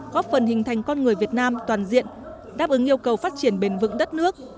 góp phần hình thành con người việt nam toàn diện đáp ứng yêu cầu phát triển bền vững đất nước